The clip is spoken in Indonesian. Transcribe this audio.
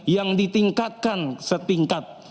yang ditingkatkan setingkat